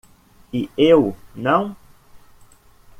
E eu não!